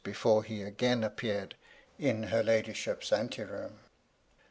before he again appeared in her ladyship's anteroom).